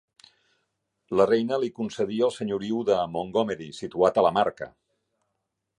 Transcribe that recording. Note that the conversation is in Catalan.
La reina li concedí el senyoriu de Montgomery, situat a la Marca.